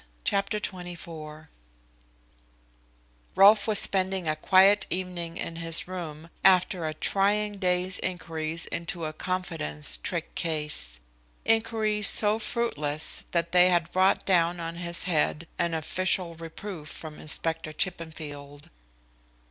CHAPTER XXIV Rolfe was spending a quiet evening in his room after a trying day's inquiries into a confidence trick case; inquiries so fruitless that they had brought down on his head an official reproof from Inspector Chippenfield.